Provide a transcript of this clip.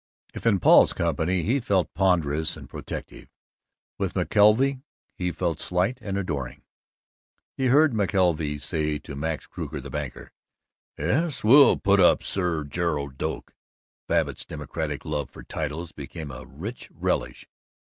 If in Paul's company he felt ponderous and protective, with McKelvey he felt slight and adoring. He heard McKelvey say to Max Kruger, the banker, "Yes, we'll put up Sir Gerald Doak." Babbitt's democratic love for titles became a rich relish.